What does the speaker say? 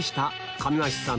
亀梨さん